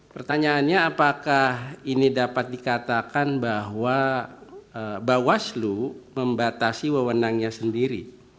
pertanyaannya apakah ini dapat dikatakan bahwa bawaslu membatasi wewenangnya sendiri